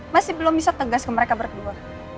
masih belum bisa tegas ke mereka berdua